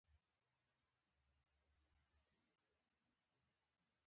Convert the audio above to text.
انګلیسي د فرهنګي تبادلې وسیله ده